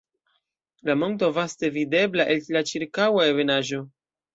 La monto vaste videbla el la ĉirkaŭa ebenaĵo.